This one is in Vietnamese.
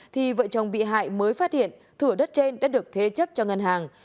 thì vợ chồng bị hại mới phát hiện thửa đất trên đã được thế chấp cho ngân hàng